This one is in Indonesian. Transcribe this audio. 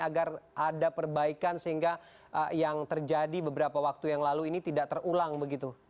agar ada perbaikan sehingga yang terjadi beberapa waktu yang lalu ini tidak terulang begitu